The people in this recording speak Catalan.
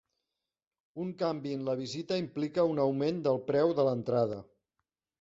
Un canvi en la visita implica un augment del preu de l'entrada.